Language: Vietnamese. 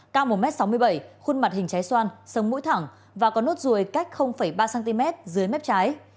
cao một m sáu mươi bảy khuôn mặt hình trái xoan sống mũi thẳng và có nốt ruồi cách ba cm dưới mép trái